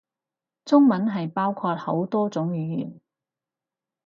中文係包括好多種語言